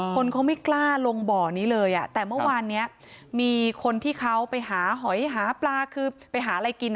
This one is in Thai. คนเขาไม่กล้าลงบ่อนี้เลยอ่ะแต่เมื่อวานเนี้ยมีคนที่เขาไปหาหอยหาปลาคือไปหาอะไรกิน